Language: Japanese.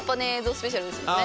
スペシャルですもんね。